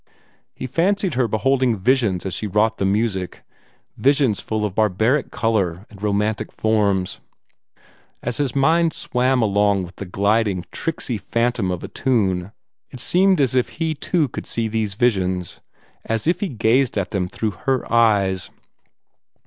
He fancied her beholding visions as she wrought the music visions full of barbaric color and romantic forms. As his mind swam along with the gliding, tricksy phantom of a tune, it seemed as if he too could see these visions as if he gazed at them through her eyes.